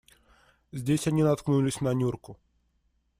Здесь они наткнулись на Нюрку.